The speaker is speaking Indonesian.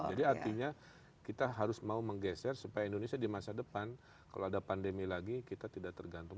jadi artinya kita harus mau menggeser supaya indonesia di masa depan kalau ada pandemi lagi kita tidak tergantung